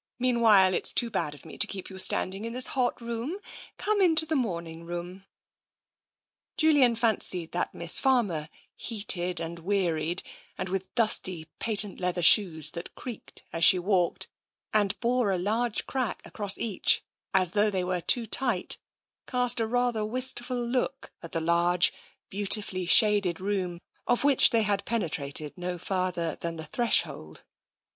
" Meanwhile it's too bad of me to keep you standing in this hot room. Come into the morning room." Julian fancied that Miss Farmer, heated and wearied, and with dusty patent leather shoes that creaked as she walked, and bore a large crack across 36 TENSION each, as though they were too tight, cast a rather wist ful look at the large, beautifully shaded room of which they had penetrated no further than the threshold.